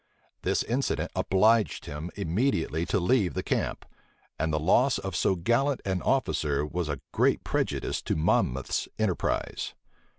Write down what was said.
This incident obliged him immediately to leave the camp; and the loss of so gallant an officer was a great prejudice to Monmouth's enterprise.